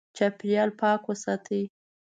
چاپېریال پاک وساتې.